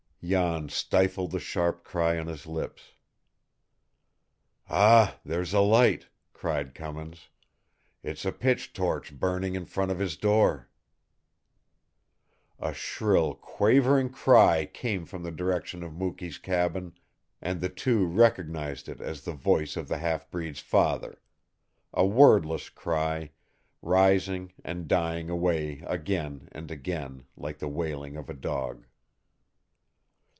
Jan stifled the sharp cry on his lips. "Ah, there's a light!" cried Cummins. "It's a pitch torch burning in front of his door!" A shrill, quavering cry came from the direction of Mukee's cabin, and the two recognized it as the voice of the half breed's father a wordless cry, rising and dying away again and again, like the wailing of a dog.